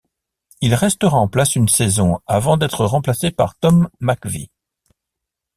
Il restera en place une saison avant d'être remplacé par Tom McVie.